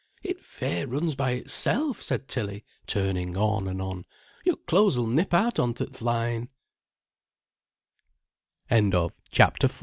"It fair runs by itself," said Tilly, turning on and on. "Your clothes'll nip out on to th' line." Chapter V.